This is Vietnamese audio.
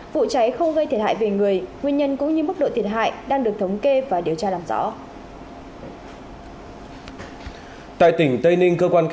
vụ cháy không gây thiệt hại về người nguyên nhân cũng như mức độ thiệt hại đang được thống kê và điều tra làm rõ